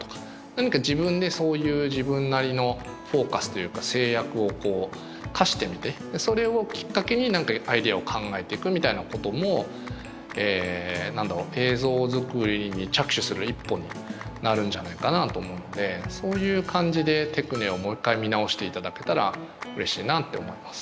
何か自分でそういう自分なりのフォーカスというか制約を課してみてそれをきっかけに何かアイデアを考えていくみたいなことも何だろう映像作りに着手する一歩になるんじゃないかなと思うのでそういう感じでテクネをもう一回見直していただけたらうれしいなって思います。